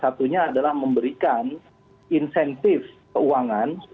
satunya adalah memberikan insentif keuangan